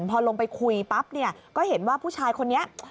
พอลงไปคุยปั๊บเนี่ยก็เห็นว่าผู้ชายคนนี้